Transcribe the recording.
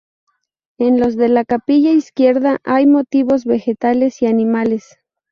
En los de la capilla izquierda hay motivos vegetales y animales.